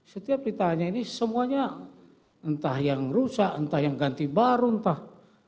setiap ditanya ini semuanya entah yang rusak entah yang ganti baru entah